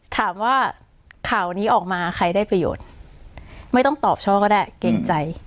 ถามว่าข่าวนี้ออกมาใครได้ประโยชน์ไม่ต้องตอบช่อก็ได้เกรงใจ